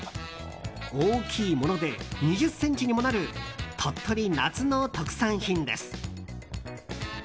大きいもので２０ｃｍにもなる鳥取夏の特産品です。